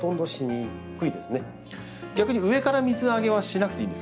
逆に上から水あげはしなくていいんですか？